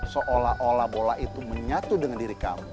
seolah olah bola itu menyatu dengan diri kamu